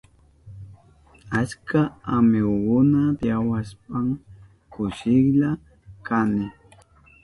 Achka amigukuna tiyawashpan kushilla kani.